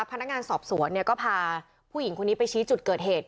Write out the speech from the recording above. พนักงานสอบสวนก็พาผู้หญิงคนนี้ไปชี้จุดเกิดเหตุ